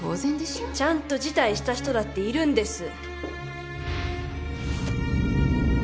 ちゃんと辞退した人だっているんです。